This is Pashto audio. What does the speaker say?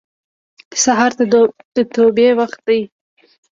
سهار د توبې وخت دی.